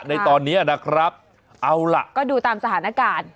ในตอนนี้นะครับเอาล่ะก็ดูตามสถานการณ์